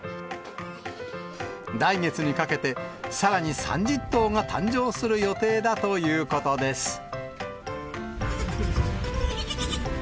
来月にかけて、さらに３０頭が誕生する予定だということです。